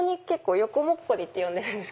横もっこりって呼んでるんです。